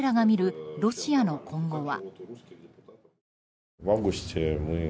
彼らが見るロシアの今後は。